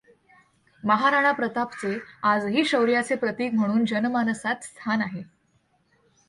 महाराणा प्रतापचे आजही शौर्याचे प्रतीक म्हणून जनमानसात स्थान आहे.